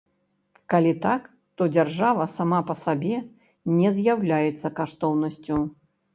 Калі так, то дзяржава сама па сабе не з'яўляецца каштоўнасцю.